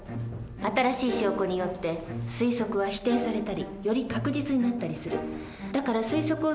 新しい証拠によって推測は否定されたりより確実になったりする。